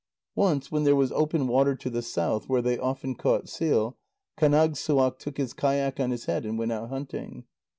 Once, when there was open water to the south, where they often caught seal, Kánagssuaq took his kayak on his head and went out hunting.